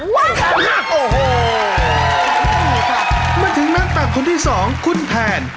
มันถึงนักตัดคนที่๒คุณแทน